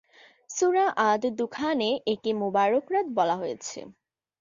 সূরা আদ-দোখানে একে মুবারক রাত বলা হয়েছে।